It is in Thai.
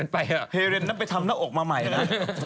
ไปทำหน้าอกมาใหม่นะ